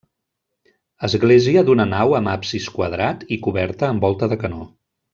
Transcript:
Església d'una nau amb absis quadrat i coberta amb volta de canó.